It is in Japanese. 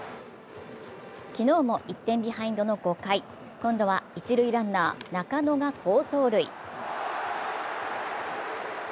昨日も１点ビハインドの５回今度は一塁ランナー・中野が好走塁